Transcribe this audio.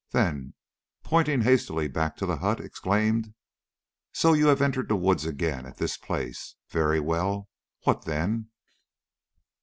Then, pointing hastily back to the hut, exclaimed: "So you have entered the woods again at this place? Very well; what then?"